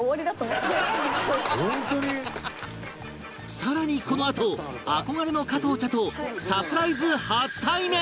更にこのあと憧れの加藤茶とサプライズ初対面！